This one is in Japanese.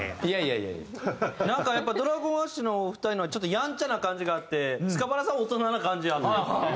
なんかやっぱＤｒａｇｏｎＡｓｈのお二人のはちょっとやんちゃな感じがあってスカパラさんは大人な感じある。